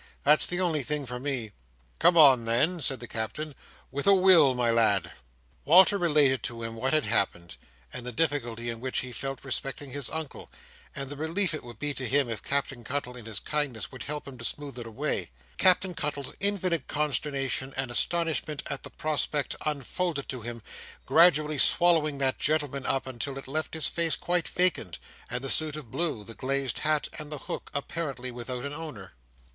"That's the only thing for me." "Come on then," said the Captain. "With a will, my lad!" Walter related to him what had happened; and the difficulty in which he felt respecting his Uncle, and the relief it would be to him if Captain Cuttle, in his kindness, would help him to smooth it away; Captain Cuttle's infinite consternation and astonishment at the prospect unfolded to him, gradually swallowing that gentleman up, until it left his face quite vacant, and the suit of blue, the glazed hat, and the hook, apparently without an owner.